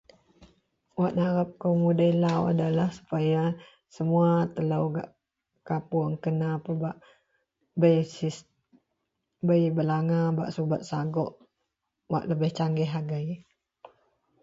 Wak narep kou mudei lau adalah sepaya semuwa telou gak kapuong kena pebak bei sis bei belanga bak subet sagok wak lebeh canggih agei.